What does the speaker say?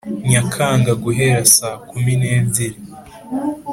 Nyakanga guhera saa Kumi n’ebyiri